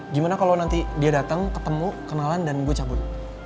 gimana kalau nanti dia datang ketemu kenalan dan gue cabut